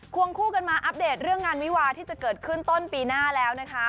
วงคู่กันมาอัปเดตเรื่องงานวิวาที่จะเกิดขึ้นต้นปีหน้าแล้วนะคะ